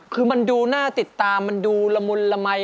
คือมันดูหน้าติดตามามันดูละมุนละมัย